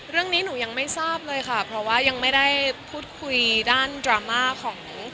เรื่องนี้หนูยังไม่ทราบเลยค่ะเพราะว่ายังไม่ได้พูดคุยด้านดราม่าของ